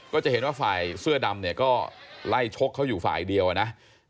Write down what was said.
ก็จะเห็นว่าฝ่ายเสื้อดำเนี่ยก็ไล่ชกเขาอยู่ฝ่ายเดียวนะ